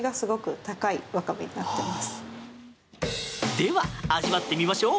では、味わってみましょう！